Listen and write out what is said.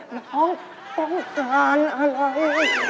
น้องต้องการอะไร